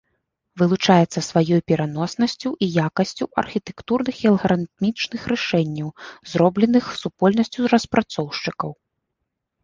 Вылучаецца сваёй пераноснасцю і якасцю архітэктурных і алгарытмічных рашэнняў, зробленых супольнасцю распрацоўшчыкаў.